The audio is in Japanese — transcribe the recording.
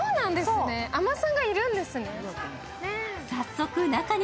海女さんがいるんですね。